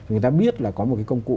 người ta biết là có một cái công cụ